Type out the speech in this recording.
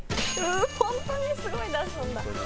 本当にすごい出すんだ。